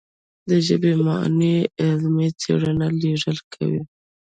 د ژبې موانع علمي څېړنې لیرې کوي.